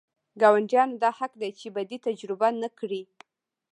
ګاونډیانو دا حق دی چې بدي تجربه نه کړي.